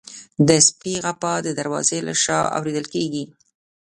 د سپي غپا د دروازې له شا اورېدل کېږي.